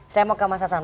saya mau ke mas sasan